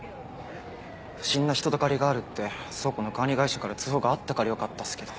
不審な人だかりがあるって倉庫の管理会社から通報があったからよかったっすけど。